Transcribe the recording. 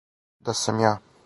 Да сам ја!